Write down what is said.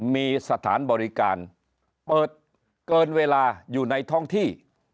มีสถานบริการเปิดเกินเวลาอยู่ในท้องที่